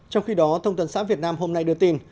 trong khi đó thông tấn xã việt nam hôm nay đưa tin